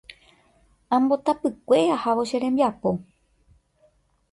Ambotapykue ahávo che rembiapo.